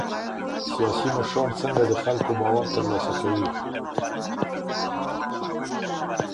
سياسي مشران څنګه د خلګو باور ترلاسه کوي؟